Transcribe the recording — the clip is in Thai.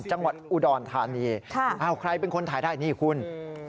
จังหวัดอุดรธานีใครเป็นคนถ่ายได้นี่คุณค่ะ